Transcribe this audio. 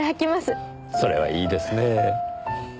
それはいいですねぇ。